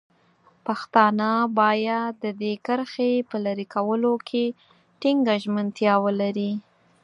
پښتانه باید د دې کرښې په لرې کولو کې ټینګه ژمنتیا ولري.